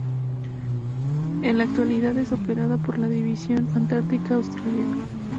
En la actualidad es operada por la División Antártica Australiana.